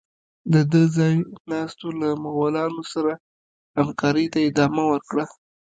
د ده ځای ناستو له مغولانو سره همکارۍ ته ادامه ورکړه.